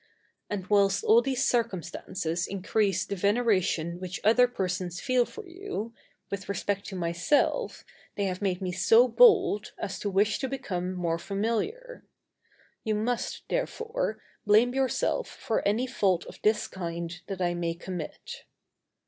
And whilst all these circumstances increase the veneration which other persons feel for you, with respect to myself, they have made me so bold, as to wish to become more familiar. You must, therefore, blame yourself for any fault of this kind that I may commit.